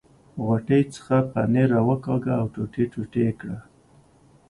غوټې څخه پنیر را وکاږه او ټوټې ټوټې یې کړ.